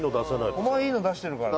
お前いいの出してるからな。